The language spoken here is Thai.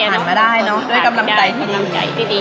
หันมาได้เนอะด้วยกำลังใจที่ดี